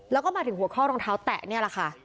แล้วก็มาถึงหัวข้อรองเท้าแตะนี่แหละค่ะ